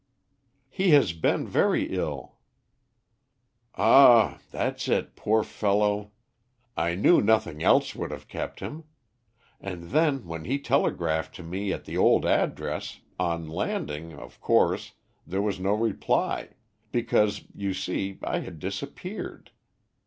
"He has been very ill." "Ah, that's it, poor fellow. I knew nothing else would have kept him. And then when he telegraphed to me at the old address, on landing, of course, there was no reply, because, you see, I had disappeared.